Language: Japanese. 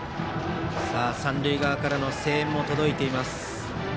三塁側からの声援も届いています。